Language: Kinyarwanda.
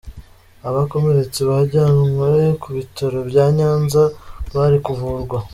Abakomeretse bajyanwe ku bitaro bya Nyanza, bari kuvurwa.